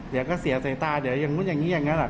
เดี๋ยวก็เสียใส่ตาเดี๋ยวอย่างนู้นอย่างนี้อย่างนั้นแหละ